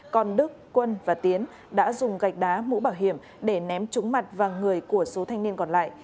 còn đức quân và tiến đã dùng gạch đá mũ bảo hiểm để ném trúng mặt và người của số thanh niên còn lại